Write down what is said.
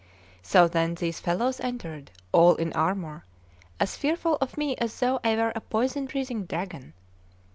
So then these fellows entered, all in armour, as fearful of me as though I were a poison breathing dragon.